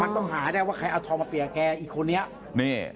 มันต้องหารายว่าใครเอาทองมาเปลี่ยวให้แกอีกคนนี้